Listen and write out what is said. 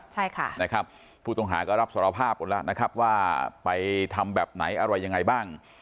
ใช่ค่ะนะครับผู้ต้องหาก็รับสารภาพหมดแล้วนะครับว่าไปทำแบบไหนอะไรยังไงบ้าง